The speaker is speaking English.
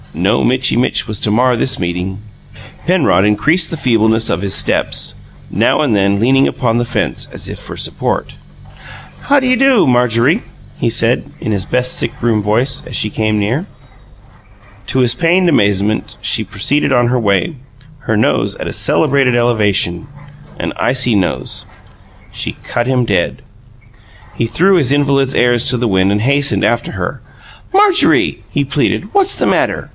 No Mitchy Mitch was to mar this meeting. Penrod increased the feebleness of his steps, now and then leaning upon the fence as if for support. "How do you do, Marjorie?" he said, in his best sick room voice, as she came near. To his pained amazement, she proceeded on her way, her nose at a celebrated elevation an icy nose. She cut him dead. He threw his invalid's airs to the winds, and hastened after her. "Marjorie," he pleaded, "what's the matter?